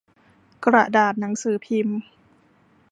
กระดาษหนังสือพิมพ์